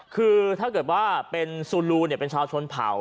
คือถ้าเกิดว่าเป็นซูลูเป็นชาวชนเผ่า